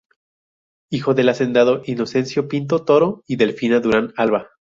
Hijo del hacendado Inocencio Pinto Toro y Delfina Durán Alba.